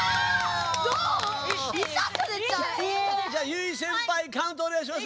結実先輩カウントおねがいします！